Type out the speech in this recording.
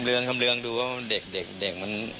พี่สมหมายก็เลย